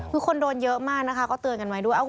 คือคนโดนเยอะมากนะคะก็เตือนกันไว้ด้วย